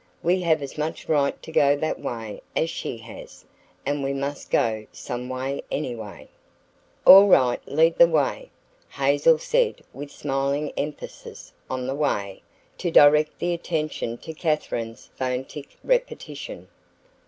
We have as much right to go that way as she has, and we must go someway anyway." "All right; lead the way," Hazel said with smiling emphasis on the "way" to direct attention to Katherine's phonetic repetition.